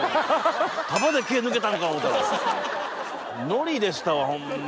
海苔でしたわホンマ